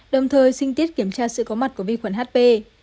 đồng thời xin tiết kiểm tra sự có mặt của vi khuẩn hp